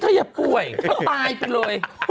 ถ้าอย่าปวนเขาตายไปเลย